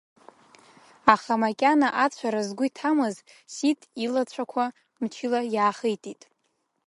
Аха макьаназ ацәара згәы иҭамыз Сиҭ илацәақәа мчыла иаахитит.